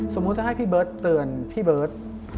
สมมุติถ้าให้พี่เบิร์ตเตือนพี่เบิร์ต